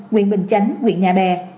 quyện bình chánh huyện nhà bè